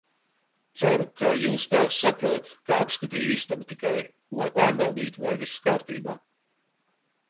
Ceru, ka jūsu tēvs saprot, ka apskatīju istabu tikai, lai pārbaudītu, vai viss kārtībā.